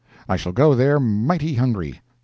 I shall go there mighty hungry. Mr.